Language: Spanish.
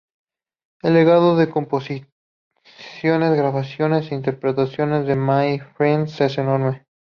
El legado de composiciones, grabaciones e interpretaciones de Mayfield es enorme.